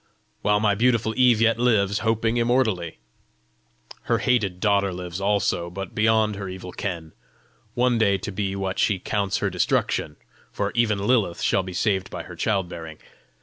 while my beautiful Eve yet lives, hoping immortally! Her hated daughter lives also, but beyond her evil ken, one day to be what she counts her destruction for even Lilith shall be saved by her childbearing.